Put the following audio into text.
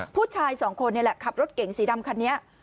ผู้ชายสองคนนี่แหละขับรถเก๋งสีดำคันนี้